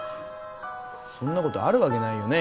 そんなことあるわけないよねぇ？